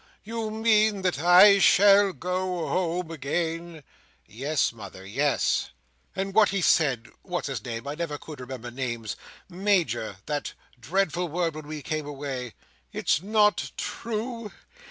You mean that I shall go home again?" "Yes, mother, yes." "And what he said—what's his name, I never could remember names—Major—that dreadful word, when we came away—it's not true?